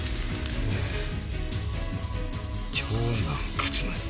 長男勝成。